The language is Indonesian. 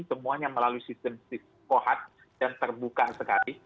semuanya melalui sistem sis kohat yang terbuka sekali